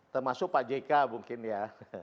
termasuk pak jk mungkin ya